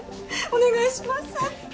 お願いします。